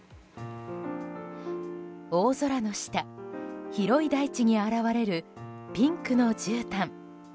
大空の下、広い大地に現れるピンクのじゅうたん。